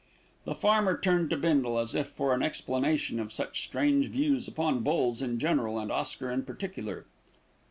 The farmer turned to Bindle, as if for an explanation of such strange views upon bulls in general and Oscar in particular.